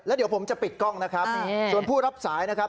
เดี๋ยวผมจะปิดกล้องนะครับส่วนผู้รับสายนะครับ